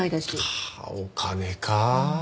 はあお金か。